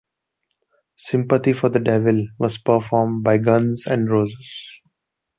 "Sympathy for the Devil" was performed by Guns N' Roses.